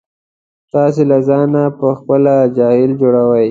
تاسې له ځانه په خپله جاهل جوړوئ.